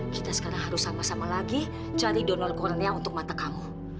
kita sekarang harus sama sama lagi cari donor kornea untuk mata kamu